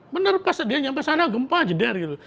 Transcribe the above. bener pas dia sampai sana gempa jedar gitu